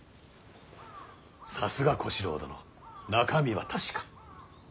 さすが小四郎殿中身は確か。